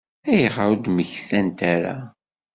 Ayɣer ur d-mmektant ara?